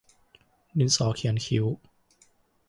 ดินสอเขียนคิ้ว